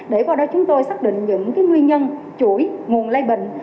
để qua đó chúng tôi xác định những nguyên nhân chuỗi nguồn lây bệnh